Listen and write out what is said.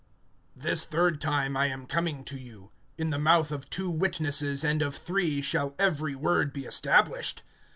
THIS third time I am coming to you. In the mouth of two witnesses, and of three, shall every word be established.